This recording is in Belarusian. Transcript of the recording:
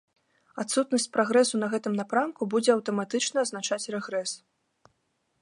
Адсутнасць прагрэсу на гэтым напрамку будзе аўтаматычна азначаць рэгрэс.